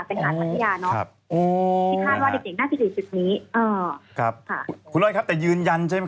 เป็นหาดปัทยาเนอะ